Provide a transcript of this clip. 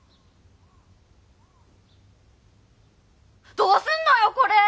どうすんのよこれ！